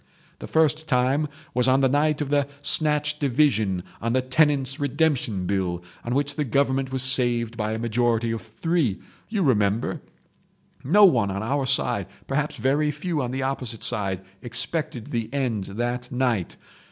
"The first time was on the night of the snatch division on the Tenants' Redemption Bill, on which the Government was saved by a majority of three. You remember? No one on our side—perhaps very few on the opposite side—expected the end that night.